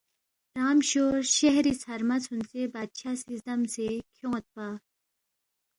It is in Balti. رام شُور شہری ژھرمہ ژُھونژیونگ بادشاہ سی زدمسے کھیون٘یدپا